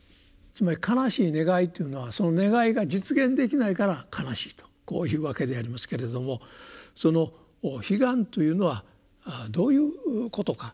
つまり悲しい願いというのはその願いが実現できないから悲しいとこういうわけでありますけれどもその「悲願」というのはどういうことか。